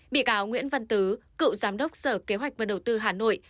bị cáo nguyễn văn tứ cựu giám đốc sở kế hoạch và đầu tư hà nội